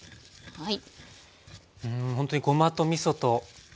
はい。